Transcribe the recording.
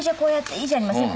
いいじゃありません。